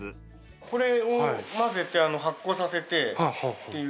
これを混ぜて発酵させてっていう。